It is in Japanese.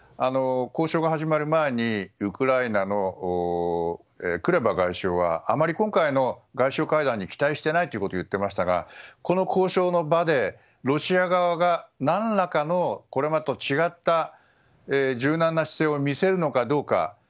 交渉が始まる前にウクライナのクレバ外相はあまり今回の外相会談に期待していないということを言っていましたがこの交渉の場でロシア側が何らかのこれまでと違った柔軟な姿勢を見せるのかどうか。